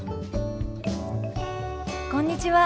こんにちは。